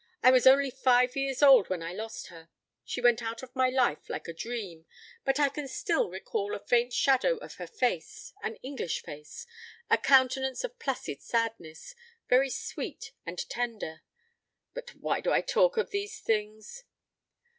I was only five years old when I lost her. She went out of my life like a dream; but I can still recall a faint shadow of her face an English face a countenance of placid sadness, very sweet and tender. But why do I talk of these things?"